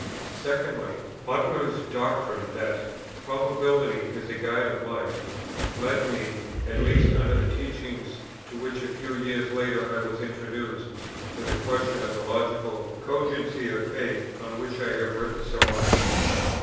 Secondly, Butler's doctrine that Probability is the guide of life, led me, at least under the teaching to which a few years later I was introduced, to the question of the logical cogency of Faith, on which I have written so much.